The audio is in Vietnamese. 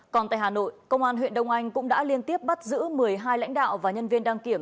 còn tại hà nội công an huyện đông anh cũng đã liên tiếp bắt giữ một mươi hai lãnh đạo và nhân viên đăng kiểm